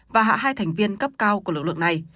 và hạ hai thành viên cấp cao của lực lượng này